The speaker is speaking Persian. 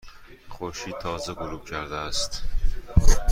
خورشید تازه غروب کرده است.